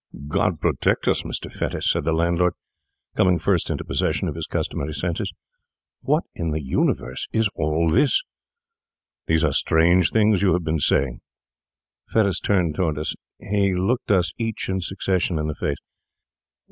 'God protect us, Mr. Fettes!' said the landlord, coming first into possession of his customary senses. 'What in the universe is all this? These are strange things you have been saying.' Fettes turned toward us; he looked us each in succession in the face.